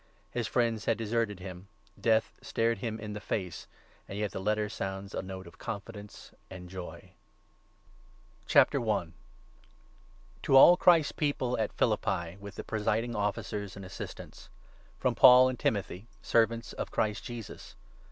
His friends had deserted him, death stared him in the face, and yet the Letter sounds a note of confidence and joy. TO THE PHILIPPIANS. I . —INTRODUCTION. To all Christ's People at Philippi, with the Pre i Greeting. siding Officers and Assistants, FROM Paul and Timothy, servants of Christ Jesus.